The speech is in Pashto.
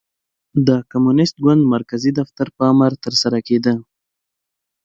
د کمونېست ګوند مرکزي دفتر په امر ترسره کېده.